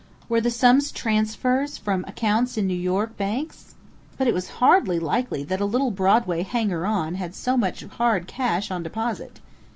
Were the sums transfers from accounts in New York banks? But it was hardly likely that a little Broadway hanger on had had so much hard cash on deposit.